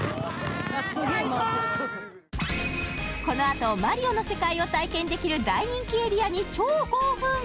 このあとマリオの世界を体験できる大人気エリアに超興奮！